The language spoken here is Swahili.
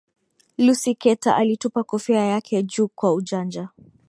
lucy carter alitupa kofia yake juu kwa ujanja